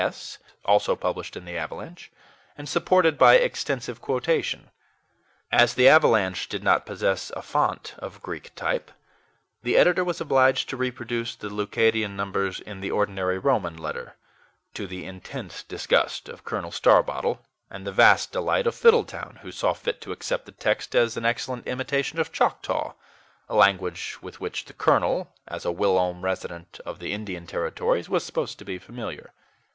S.," also published in the AVALANCHE, and supported by extensive quotation. As the AVALANCHE did not possess a font of Greek type, the editor was obliged to reproduce the Leucadian numbers in the ordinary Roman letter, to the intense disgust of Colonel Starbottle, and the vast delight of Fiddletown, who saw fit to accept the text as an excellent imitation of Choctaw a language with which the colonel, as a whilom resident of the Indian Territories, was supposed to be familiar.